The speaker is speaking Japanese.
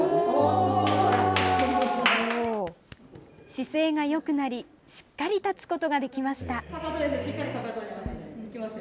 姿勢がよくなりしっかり立つことができました。